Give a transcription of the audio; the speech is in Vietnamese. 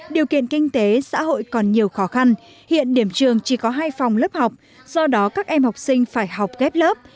điều kiện kinh tế xã hội còn nhiều khó khăn hiện điểm trường chỉ có hai phòng lớp học do đó các em học sinh phải học ghép lớp